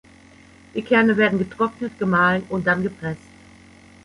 Die Kerne werden getrocknet, gemahlen und dann gepresst.